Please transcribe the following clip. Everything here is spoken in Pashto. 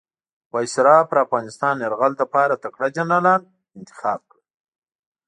وایسرا پر افغانستان یرغل لپاره تکړه جنرالان انتخاب کړل.